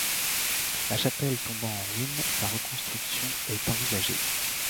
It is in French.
La chapelle tombant en ruine, sa reconstruction est envisagée.